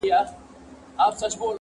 نن په مستو سترګو د جام ست راته ساقي وکړ,